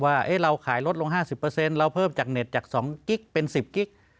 ว่าเราขายลดลง๕๐เราเพิ่มจากเน็ตจาก๒กิ๊กเป็น๑๐กิ๊ก